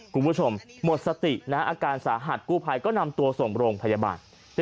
คุณผู้ชมหมดสตินะอาการสาหัสกู้ภัยก็นำตัวส่งโรงพยาบาล